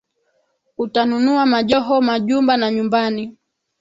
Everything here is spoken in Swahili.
Utanunua majoho, majumba na nyumbani,